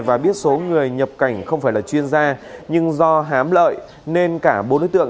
và biết số người nhập cảnh không phải là chuyên gia nhưng do hám lợi nên cả bốn đối tượng